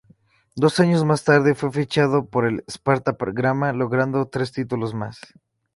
Dos años más tarde fue fichado por el Sparta Praga, logrando tres títulos más.